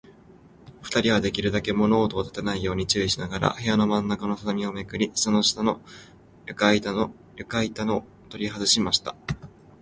ふたりは、できるだけ物音をたてないように注意しながら、部屋のまんなかの畳をめくり、その下の床板ゆかいたをとりはずしました。